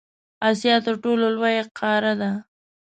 اسیا تر ټولو لویه قاره ده.